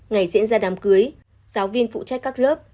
ngày diễn ra đám cưới giáo viên phụ trách các lớp